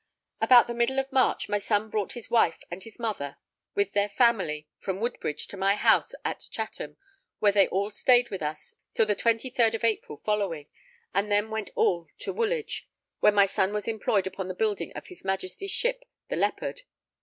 About the middle of March, my son brought his wife and his mother, with their family, from Woodbridge to my house at Chatham, where they all stayed with us till the 23rd of April following, and then went all to Woolwich, where my son was employed upon the building of his Majesty's ship the Leopard.